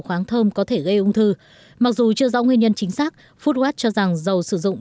khoáng thơm có thể gây ung thư mặc dù chưa rõ nguyên nhân chính xác foodwatch cho rằng dầu sử dụng